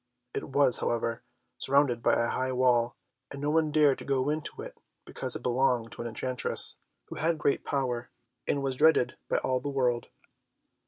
It was, however, surrounded by a high wall, and no one dared to go into it because it belonged to an enchantress, who had great power and was dreaded by all the world.